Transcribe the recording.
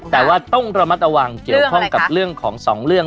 แต่ว่าต้องระมัดระวังเกี่ยวข้องกับเรื่องของสองเรื่อง